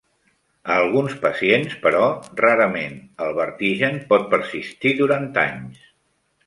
A alguns pacients, però rarament, el vertigen pot persistir durant anys.